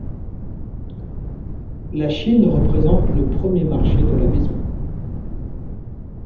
La Chine représente le premier marché de la maison.